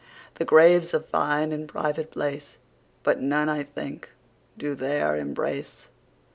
The Grave's a fine and private place, But none I think do there embrace.